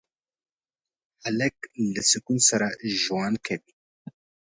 هلک له سکون سره ژوند کوي.